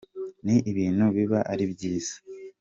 Ni ibintu biba ari byiza ».